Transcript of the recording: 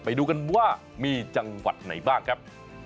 ไปดูกันว่ามีจังหวัดไหนบ้างครับ